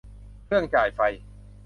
เครื่องจ่ายไฟ